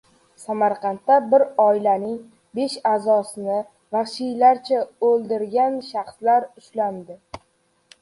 Samarqandda bir oilaning besh a’zosini vahshiylarcha o‘ldirgan shaxslar ushlandi